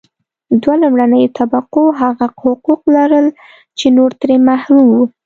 دوه لومړنیو طبقو هغه حقوق لرل چې نور ترې محروم وو.